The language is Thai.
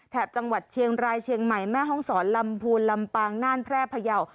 จังหวัดเชียงรายเชียงใหม่แม่ห้องศรลำพูนลำปางน่านแพร่พยาว